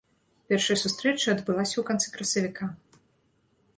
Першая сустрэча адбылася ў канцы красавіка.